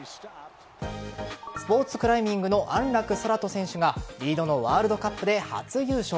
スポーツクライミングの安楽宙斗選手がリードのワールドカップで初優勝。